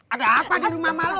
ada apa di rumah mak lo